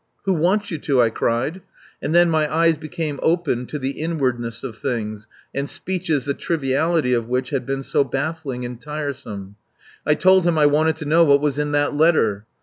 "Who wants you to?" I cried. And then my eyes became opened to the inwardness of things and speeches the triviality of which had been so baffling and tiresome. I told him I wanted to know what was in that letter.